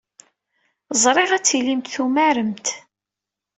Ẓriɣ ad tilimt tumaremt.